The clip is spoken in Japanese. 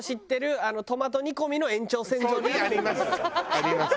あります。